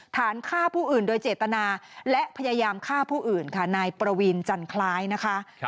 ฐานฆ่าผู้อื่นโดยเจตนาและพยายามฆ่าผู้อื่นค่ะนายประวีนจันคล้ายนะคะ